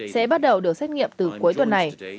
sẽ bắt đầu được xét nghiệm từ cuối tuần này